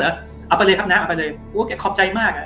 เอาไปเลยครับน้าเอาไปเลยโอ้แกขอบใจมากอ่ะ